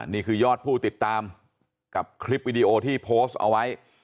นี่คือยอดผู้ติดตามกับคลิปวิดีโอที่โพสต์เอาไว้